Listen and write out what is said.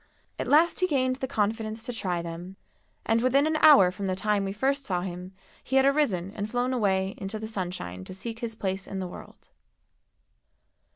At last he gained the confidence to try them, and within an hour from the time we first saw him he had arisen and flown away into the sunshine to seek his place in the world.